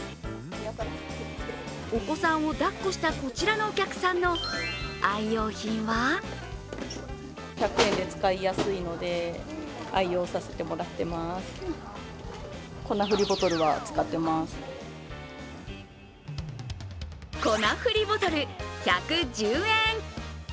お子さんを抱っこした、こちらのお客さんの愛用品は粉ふりボトル、１１０円。